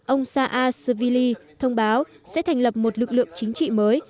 ông saakashvili thông báo sẽ thành lập một lực lượng chính trị mới